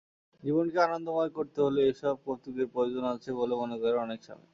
জীবনকে আনন্দময় করতে হলে এসব কৌতুকের প্রয়োজন আছে বলে মনে করেন অনেক স্বামী।